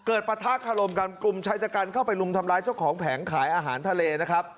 ปะทะคารมกันกลุ่มชายชะกันเข้าไปรุมทำร้ายเจ้าของแผงขายอาหารทะเลนะครับ